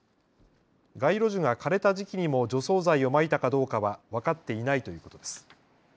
街路樹が枯れた時期にも除草剤をまいたかどうかは分かっていないということです。